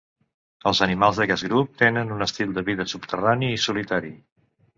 Els animals d'aquest grup tenen un estil de vida subterrani i solitari.